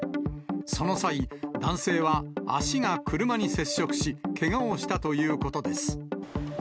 その際、男性は足が車に接触し、けがをしたということです。